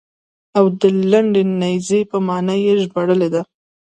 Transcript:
او د لنډې نېزې په معنا یې ژباړلې ده.